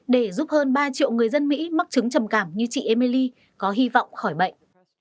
để giúp hơn ba triệu người dân mỹ mắc chứng trầm cảm như chị emily có hy vọng khỏi bệnh